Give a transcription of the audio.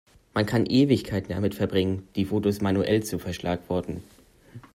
Man kann Ewigkeiten damit verbringen, die Fotos manuell zu verschlagworten.